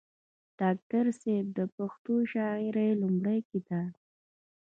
ډاکټر صېب د پښتو شاعرۍ وړومبے کتاب